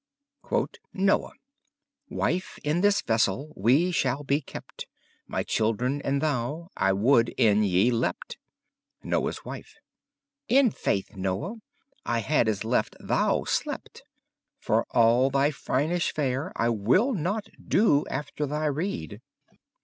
NOYE Wyffe, in this vessel we shall be kepte: My children and thou, I woulde in ye lepte. Noye's Wiffe In fayth, Noye, I hade as leffe thou slepte! For all thy frynishe fare, I will not doe after thy reade.